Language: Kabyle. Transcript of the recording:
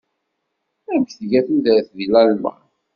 Amek tga tudert deg Alman?